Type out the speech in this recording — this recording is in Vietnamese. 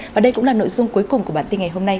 và đây cũng là nội dung cuối cùng của bản tin ngày hôm nay